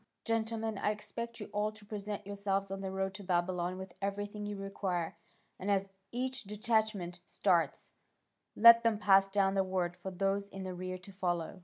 Gentlemen, I expect you all to present yourselves on the road to Babylon with everything you require, and as each detachment starts, let them pass down the word for those in the rear to follow."